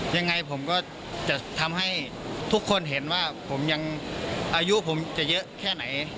ยังไงผมก็จะทำให้ทุกคนเห็นว่าผมยังอายุผมจะเยอะแค่ไหน